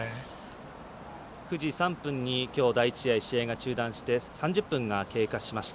９時３分にきょう第１試合中断して３０分が経過しました。